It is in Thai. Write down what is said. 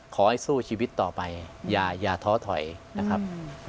ขอให้สู้ชีวิตต่อไปอย่าท้อถอยนะครับ